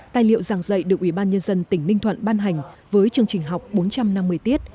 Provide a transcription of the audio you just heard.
tài liệu giảng dạy được ủy ban nhân dân tỉnh ninh thuận ban hành với chương trình học bốn trăm năm mươi tiết